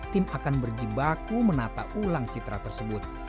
tim akan berjibaku menata ulang citra tersebut